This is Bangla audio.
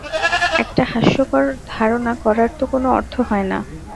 একটা হাস্যকর ধারণা করার তো কোনো অর্থ হয় না।